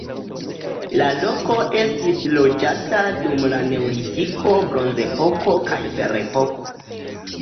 La loko estis loĝata dum la neolitiko, bronzepoko kaj ferepoko.